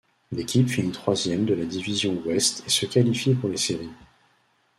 L'équipe finit troisième de la Division Ouest et se qualifie pour les séries.